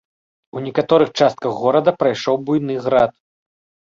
У некаторых частках горада прайшоў буйны град.